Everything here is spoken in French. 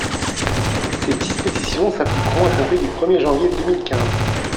Ces dispositions s’appliqueront à compter du premier janvier deux mille quinze.